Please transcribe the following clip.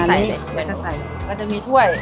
แล้วก็ใส่แล้วก็จะมีถ้วย